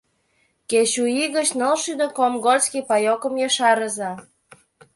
Кеч у ий гыч ныл шӱдӧ комгольский паёкым ешарыза.